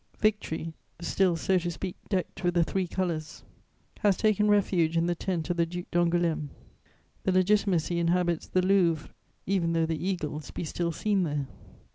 Victory, still so to speak decked with the three colours, has taken refuge in the tent of the Duc d'Angoulême; the Legitimacy inhabits the Louvre, even though the eagles be still seen there.